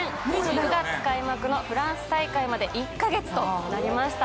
９月開幕のフランス大会まで１か月となりました。